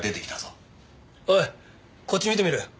おいこっち見てみろよ。